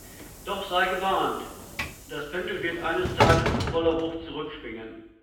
Doch sei gewarnt, das Pendel wird eines Tages mit voller Wucht zurückschwingen!